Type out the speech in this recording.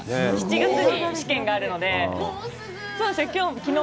７月に試験があるのでもうすぐ！